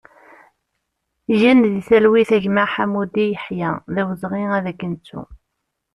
Gen di talwit a gma Ḥamudi Yeḥya, d awezɣi ad k-nettu!